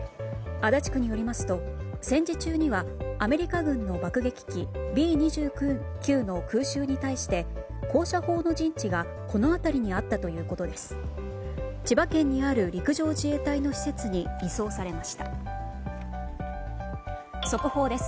足立区によりますと戦時中にはアメリカ軍の爆撃機Ｂ２９の空襲に対して高射砲の陣地がこの辺りにあったということです。